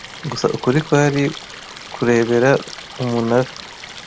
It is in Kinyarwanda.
gusa ukuri kwari kurebera umunara